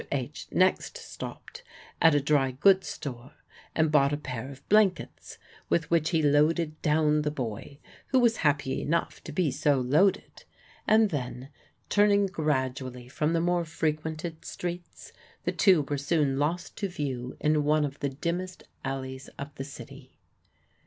H. next stopped at a dry goods store and bought a pair of blankets, with which he loaded down the boy, who was happy enough to be so loaded; and then, turning gradually from the more frequented streets, the two were soon lost to view in one of the dimmest alleys of the city.